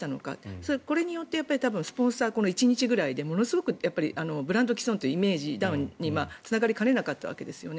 これによってこれによってスポンサーはこの１日ぐらいでものすごくブランド毀損というイメージダウンにつながりかねなかったわけですよね。